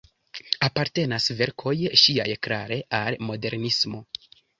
Apartenas verkoj ŝiaj klare al modernismo.